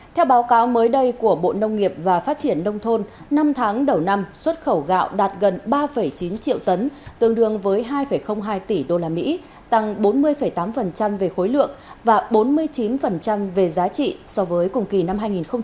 theo báo cáo mới đây của bộ nông nghiệp và phát triển nông thôn năm tháng đầu năm xuất khẩu gạo đạt gần ba chín triệu tấn tương đương với hai hai tỷ usd tăng bốn mươi tám về khối lượng và bốn mươi chín về giá trị so với cùng kỳ năm hai nghìn một mươi chín